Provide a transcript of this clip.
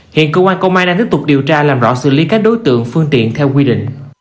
hiện cơ quan công an đang tiếp tục điều tra làm rõ xử lý các đối tượng phương tiện theo quy định